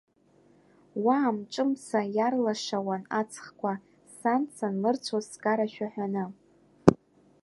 Уа амҿымца иарлашауан аҵхқәа, сан санлырцәоз сгарашәа ҳәаны.